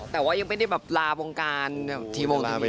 แล้วว่ายังไม่ได้ลาวงการที่วงการนะครับ